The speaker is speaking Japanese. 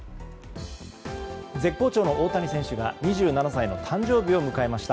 絶好調の大谷選手が２７歳の誕生日を迎えました。